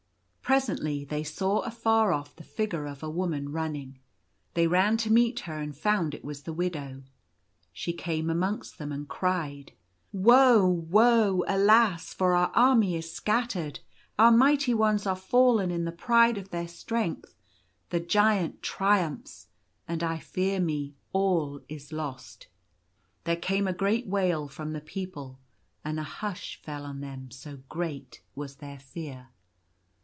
Presently they saw afar off the figure of a woman run ning. They ran to meet her and found it was the widow. She came amongst them and cried —" Woe ! woe ! Alas ! for our army is scattered ; our mighty ones are fallen in the pride of their strength. The Giant triumphs, and I fear me all is lost." There came a great wail from the people ; and a hush fell on them, so great was their fear.